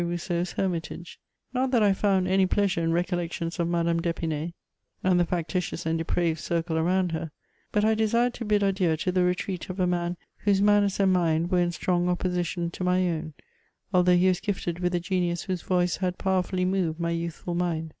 Rousseau's Hermitage ; not that I found any pleasure in recollections of Madame d'Epinay and the factitious and depraved circle around her ; hut I desired to hid adieu to the retreat of a man whose manners and mind were in strong opposition to my own, although he was gifted with a genius whose voice had powerfully moved my youthful mind.